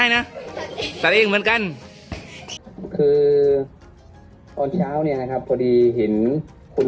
นะตัดเองเหมือนกันคือตอนเช้าเนี่ยนะครับพอดีเห็นคุณ